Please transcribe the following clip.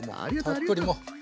たっぷりもう。